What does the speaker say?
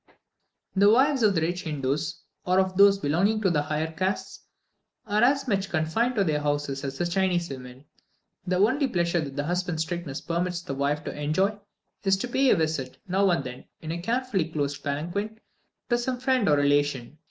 The wives of the rich Hindoos, or of those belonging to the higher castes, are as much confined to their houses as the Chinese women. The only pleasure that the husband's strictness permits the wife to enjoy, is to pay a visit, now and then, in a carefully closed palanquin, to some friend or relation.